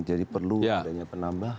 jadi perlu adanya penambahan